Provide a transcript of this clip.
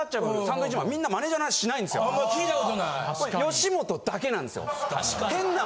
吉本だけなんですよ。